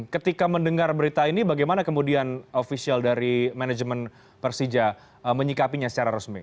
ketika mendengar berita ini bagaimana kemudian ofisial dari manajemen persija menyikapinya secara resmi